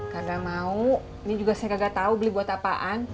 karena mau ini juga saya kagak tahu beli buat apaan